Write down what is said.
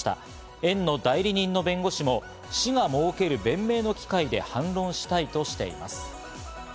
園の代理人の弁護士も市が設ける弁明の機会で反論したとしています。